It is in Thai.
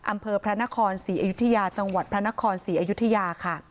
อำเภอพระนครศรีอยุธยาจังหวัดพระนครศรีอยุธยาค่ะ